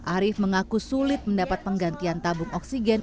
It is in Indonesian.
arief mengaku sulit mendapat penggantian tabung oksigen